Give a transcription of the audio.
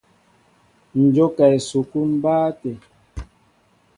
Ǹ jóka esukúlu mbáá tê.